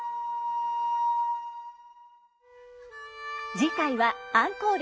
次回はアンコール。